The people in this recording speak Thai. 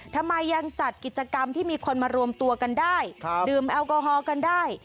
ทำไมยังจัดกิจกรรมที่มีคนมารวมตัวกันได้ดื่มแอลกอฮอล์กันได้